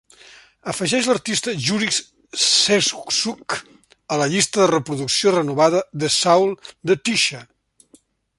Afegeix l'artista Jurij Szewczuk a la llista de reproducció renovada de soul de Tisha.